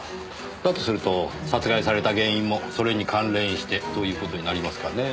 だとすると殺害された原因もそれに関連してという事になりますかねぇ。